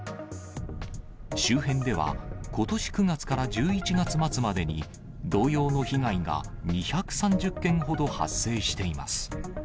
周辺では、ことし９月から１１月末までに、同様の被害が２３０件ほど発生しています。